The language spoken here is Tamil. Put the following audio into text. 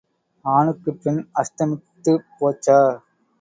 ஆணுக்குப் பெண் அஸ்தமித்துப் போச்சா?